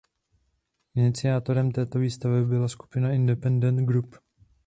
Iniciátorem této výstavy byla skupina "Independent Group".